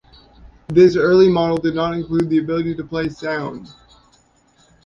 This early model did not include the ability to play sound.